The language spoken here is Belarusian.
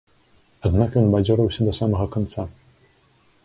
Аднак ён бадзёрыўся да самага канца.